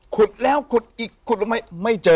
ขดแล้วขดอีกขดลงให้ไม่เจอ